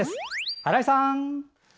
新井さん！